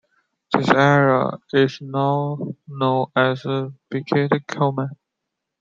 This area is now known as Bukit Koman.